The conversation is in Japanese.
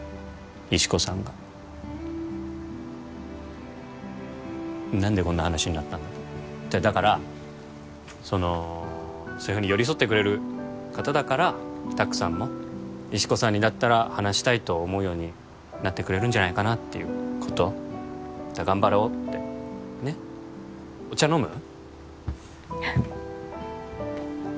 石子さんが何でこんな話になったんだろだからそのそういうふうに寄り添ってくれる方だから拓さんも石子さんにだったら話したいと思うようになってくれるんじゃないかな？っていうことだから頑張ろうってねっお茶飲む？